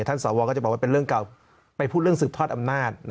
สวก็จะบอกว่าเป็นเรื่องเก่าไปพูดเรื่องสืบทอดอำนาจ